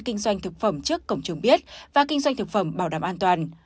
kinh doanh thực phẩm trước cổng trường biết và kinh doanh thực phẩm bảo đảm an toàn